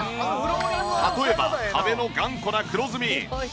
例えば壁の頑固な黒ずみ。